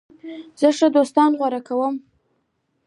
زه ښه دوستان غوره کوم.